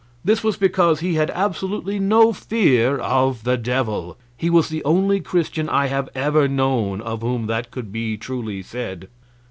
This was because he had absolutely no fear of the Devil. He was the only Christian I have ever known of whom that could be truly said.